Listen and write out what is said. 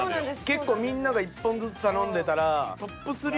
結構みんなが１本ずつ頼んでたら。